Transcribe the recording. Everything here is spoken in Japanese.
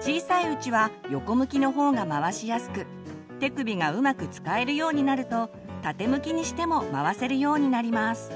小さいうちは横向きの方が回しやすく手首がうまく使えるようになると縦向きにしても回せるようになります。